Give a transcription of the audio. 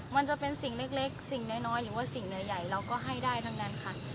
มันจะเป็นสิ่งเล็กสิ่งน้อยหรือว่าสิ่งใหญ่เราก็ให้ได้ทั้งนั้นค่ะ